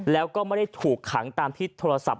แล้วก็ไม่ได้ถูกขังตามพิษโทรศัพท์